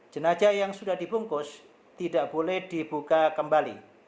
jenajah yang sudah dibungkus tidak boleh dibuka kembali